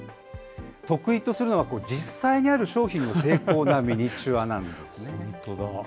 得意とするのは、実際にある商品の精巧なミニチュアなんですね。